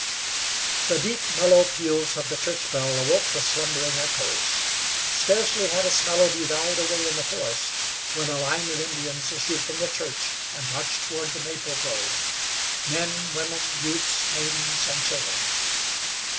The deep mellow peals of the church bell awoke the slumbering echoes. Scarcely had its melody died away in the forest when a line of Indians issued from the church and marched toward the maple grove. Men, women, youths, maidens and children.